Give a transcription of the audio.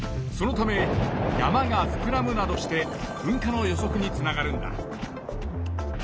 そのため山がふくらむなどして噴火の予そくにつながるんだ。